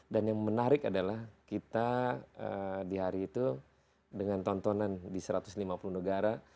dan yang menarik adalah kita di hari itu dengan tontonan di satu ratus lima puluh negara